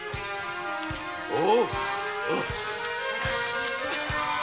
おう！